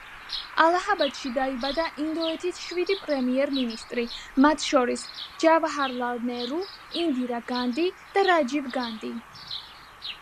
ალაჰაბადში დაიბადა ინდოეთის შვიდი პრემიერ-მინისტრი, მათ შორის ჯავაჰარლალ ნერუ, ინდირა განდი და რაჯივ განდი.